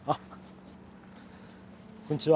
こんにちは。